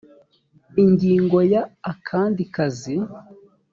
ingingo ya akandi kazi